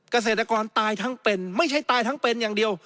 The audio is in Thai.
เกษตรกรตายทั้งเป็นไม่ใช่ตายทั้งเป็นอย่างเดียว